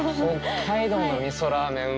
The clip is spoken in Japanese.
北海道のみそラーメン